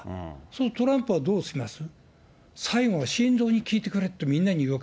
そのトランプはどうします？